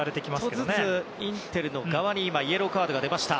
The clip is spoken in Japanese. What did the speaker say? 今、インテル側にイエローカードが出ました。